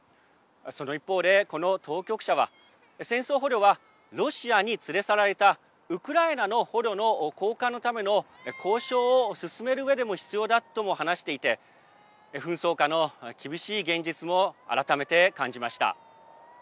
その一方で、この当局者は戦争捕虜はロシアに連れ去られたウクライナの捕虜の交換のための交渉を進めるうえでも必要だとも話していて紛争下の厳しい現実も改めて感じました。